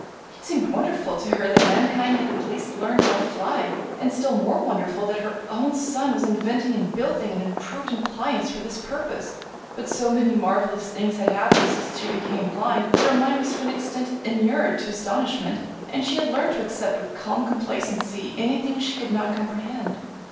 It seemed wonderful to her that mankind had at last learned how to fly, and still more wonderful that her own son was inventing and building an improved appliance for this purpose; but so many marvelous things had happened since she became blind that her mind was to an extent inured to astonishment and she had learned to accept with calm complacency anything she could not comprehend.